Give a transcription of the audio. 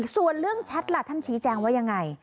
ส่วนเรื่องแชทล่ะท่านชี้แจงว่ายังไง